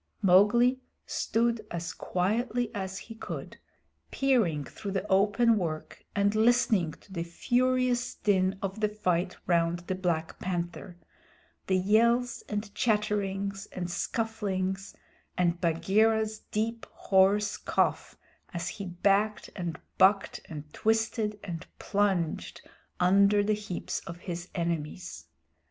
Mowgli stood as quietly as he could, peering through the open work and listening to the furious din of the fight round the Black Panther the yells and chatterings and scufflings, and Bagheera's deep, hoarse cough as he backed and bucked and twisted and plunged under the heaps of his enemies.